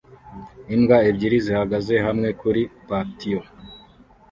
Imbwa ebyiri zihagaze hamwe kuri patio